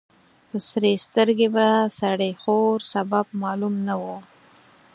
په سرې سترګې به سړی خوړ. سبب معلوم نه و.